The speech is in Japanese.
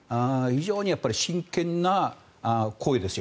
非常に真剣な声ですよ。